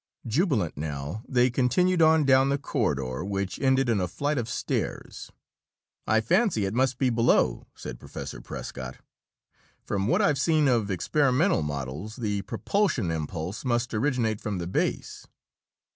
Jubilant now, they continued on down the corridor, which ended in a flight of stairs. "I fancy it must be below," said Professor Prescott. "From what I have seen of experimental models, the propulsion impulse must originate from the base."